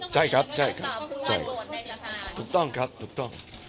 ใช่ครับถูกต้องครับถูกต้อง